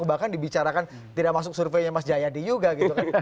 bahkan dibicarakan tidak masuk surveinya mas jayadi juga gitu kan